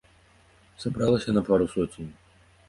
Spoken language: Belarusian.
Сабралася нас пару соцень.